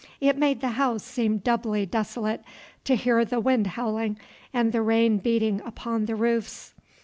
It made the house seem doubly desolate to hear the wind howling and the rain beating upon the roofs.